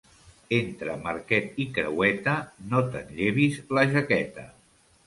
Entre Marquet i Creueta, no te'n llevis la jaqueta.